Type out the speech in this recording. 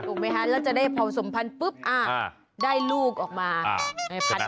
ไหมคะแล้วจะได้พอสมพันธ์ปุ๊บได้ลูกออกมา